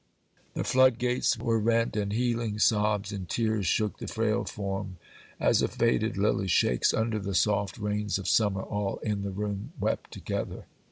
The flood gates were rent; and healing sobs and tears shook the frail form, as a faded lily shakes under the soft rains of summer. All in the room wept together.